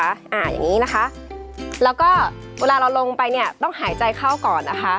อย่างนี้นะคะแล้วก็เวลาเราลงไปเนี่ยต้องหายใจเข้าก่อนนะคะ